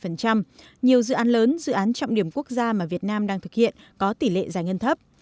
nhiều dự án lớn dự án trọng điểm quốc gia mà việt nam đang thực hiện có tỷ lệ giải ngân thấp